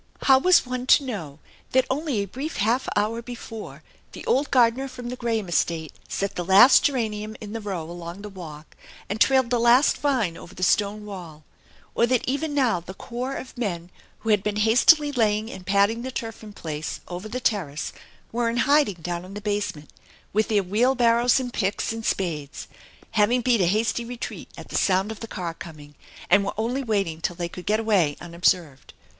How was one to know that only a brief half hour before the old gardener from the Graham estate set the last geranium in the row along the walk, and trailed the last vine over the stone wall ; or that even now the corps of men who had been hastily laying and patting the turf in place over the terrace were in hiding down in the basement, with their wheelbarrows and picks and spades, having beat a hasty retreat at the sound of the car coming, and were only waiting till they could get away unob served?